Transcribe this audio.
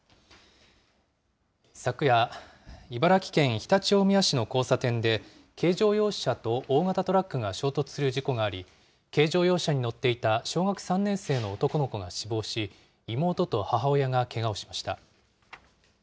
昨夜、茨城県常陸大宮市の交差点で、軽乗用車と大型トラックが衝突する事故があり、軽乗用車に乗っていた小学３年生の男の子が死亡し、妹と母親がけがをしました。